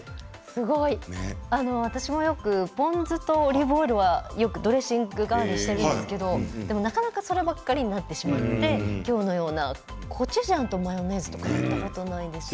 すごい、私もよくポン酢とオリーブオイルはよくドレッシング代わりにしているんですけれどでも、なかなかそればかりになってしまって今日のようなコチュジャンとマヨネーズとかやったことないです。